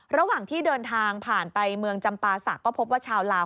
ระหว่างที่เดินทางผ่านไปเมืองจำปาศักดิ์ก็พบว่าชาวลาว